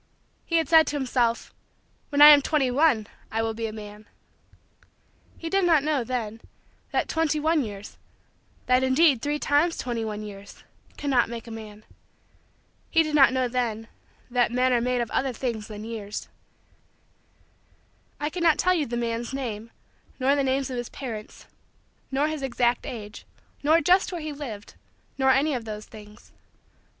He had said to himself: "when I am twenty one, I will be a man." He did not know, then, that twenty one years that indeed three times twenty one years cannot make a man. He did not know, then, that men are made of other things than years. I cannot tell you the man's name, nor the names of his parents, nor his exact age, nor just where he lived, nor any of those things.